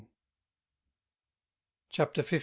CHAPTER XV.